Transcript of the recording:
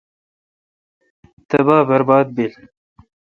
تبا برباد بیل۔